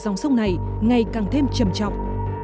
trong sông này ngày càng thêm trầm trọng